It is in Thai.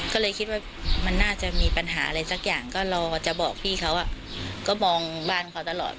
ก็เลยคิดว่ามันน่าจะมีปัญหาอะไรสักอย่างก็รอจะบอกพี่เขาก็มองบ้านเขาตลอด